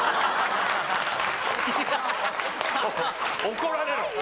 怒られろ。